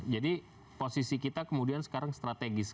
jadi posisi kita kemudian sekarang strategis